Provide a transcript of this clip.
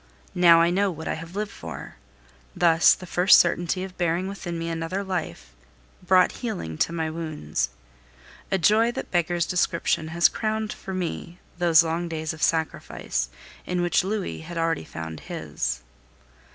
Now I know what I have lived for! Thus the first certainty of bearing within me another life brought healing to my wounds. A joy that beggars description has crowned for me those long days of sacrifice, in which Louis had already found his.